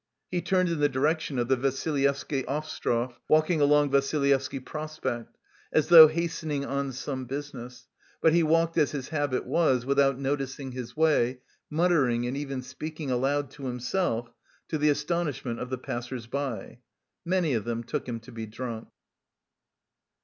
He turned in the direction of the Vassilyevsky Ostrov, walking along Vassilyevsky Prospect, as though hastening on some business, but he walked, as his habit was, without noticing his way, muttering and even speaking aloud to himself, to the astonishment of the passers by. Many of them took him to be drunk.